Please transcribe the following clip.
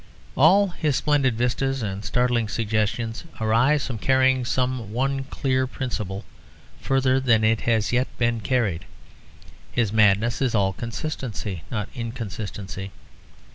All his splendid vistas and startling suggestions arise from carrying some one clear principle further than it has yet been carried. His madness is all consistency, not inconsistency.